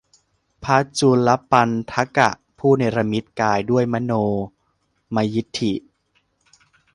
พระจูฬปันถกะ ผู้เนรมิตกายด้วยมโนมยิทธิ